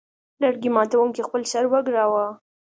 لرګي ماتوونکي خپل سر وګراوه.